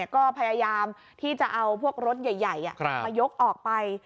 ก็พยายามที่จะเอาพวกรถใหญ่มายกออกไป